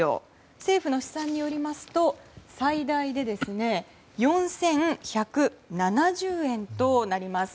政府の試算によりますと最大で４１７０円となります。